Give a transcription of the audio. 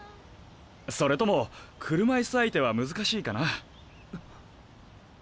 それとも車いす相手は難しいかな？